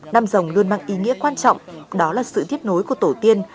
năm rồng luôn mang ý nghĩa quan trọng đó là sự thiết nối của tổ tiên